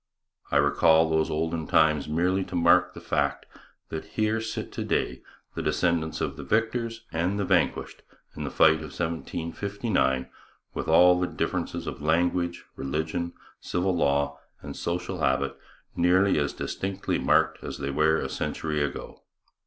I recall those olden times merely to mark the fact that here sit to day the descendants of the victors and the vanquished in the fight of 1759, with all the differences of language, religion, civil law and social habit nearly as distinctly marked as they were a century ago.